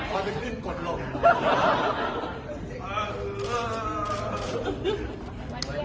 ขอบคุณภาพให้กับคุณผู้ฝ่าย